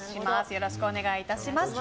よろしくお願いします。